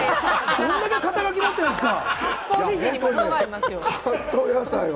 どんだけ肩書き持ってるんですか？